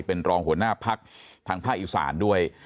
เป็นรองหัวหน้าพักทางภาคอีสานด้วย